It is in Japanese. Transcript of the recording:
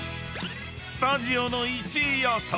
［スタジオの１位予想］